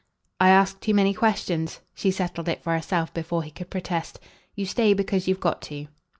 "I ask too many questions?" She settled it for herself before he could protest. "You stay because you've got to."